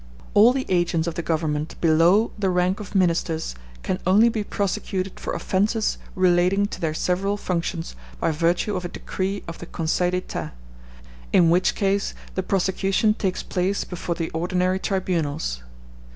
All the agents of the government below the rank of ministers can only be prosecuted for offences relating to their several functions by virtue of a decree of the Conseil d'Etat; in which the case the prosecution takes place before the ordinary tribunals."